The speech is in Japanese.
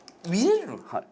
はい。